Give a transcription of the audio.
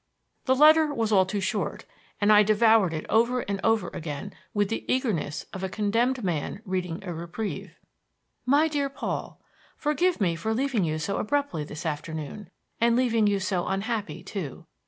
The letter was all too short, and I devoured it over and over again with the eagerness of a condemned man reading a reprieve: "MY DEAR PAUL, "_Forgive me for leaving you so abruptly this afternoon, and leaving you so unhappy, too.